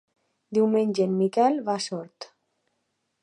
Diumenge en Miquel va a Sort.